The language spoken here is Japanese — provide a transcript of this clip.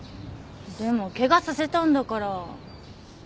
でもケガさせたんだから。